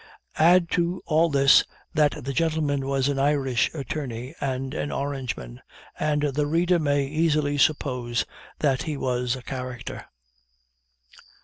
Add to all this, that the gentleman was an Irish Attorney, and an Orangeman, and the reader may easily suppose that he was 'a character!'